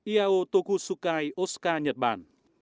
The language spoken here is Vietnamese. iao tokusukai oscar nhật bản